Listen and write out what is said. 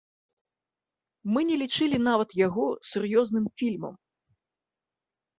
Мы не лічылі нават яго сур'ёзным фільмам.